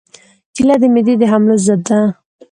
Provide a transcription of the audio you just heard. کېله د معدې د حملو ضد ده.